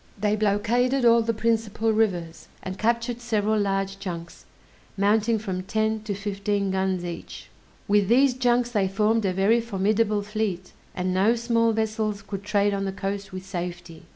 They blockaded all the principal rivers, and captured several large junks, mounting from ten to fifteen guns each. With these junks they formed a very formidable fleet, and no small vessels could trade on the coast with safety.